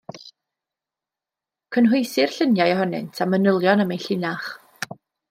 Cynhwysir lluniau ohonynt a manylion am eu llinach.